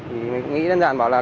thì mình nghĩ đơn giản bảo là